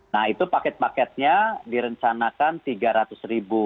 nah itu paket paketnya direncanakan rp tiga ratus